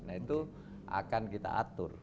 nah itu akan kita atur